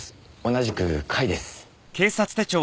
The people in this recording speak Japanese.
同じく甲斐です。